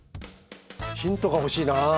ヒントが欲しいなあ。